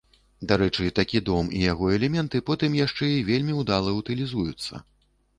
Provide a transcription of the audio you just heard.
Дарэчы, такі дом і яго элементы потым яшчэ і вельмі ўдала ўтылізуюцца.